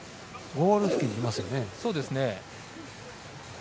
ゴール付近にいますね。